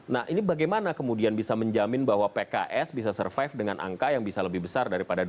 nah ini bagaimana kemudian bisa menjamin bahwa pks bisa survive dengan angka yang bisa lebih besar daripada dua ribu dua puluh